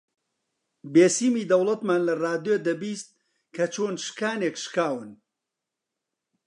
بێسیمی دەوڵەتمان لە ڕادیۆ دەبیست کە چۆن شکانێک شکاون